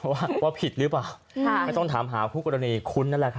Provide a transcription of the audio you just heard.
ว่าผิดหรือเปล่าไม่ต้องถามหาคู่กรณีคุ้นนั่นแหละครับ